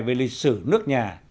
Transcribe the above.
về lịch sử nước nhà